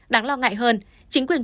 đáng lo ngại hơn chính quyền